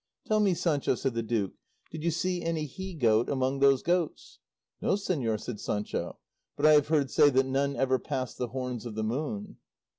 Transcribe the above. "Tell me, Sancho," said the duke, "did you see any he goat among those goats?" "No, señor," said Sancho; "but I have heard say that none ever passed the horns of the moon."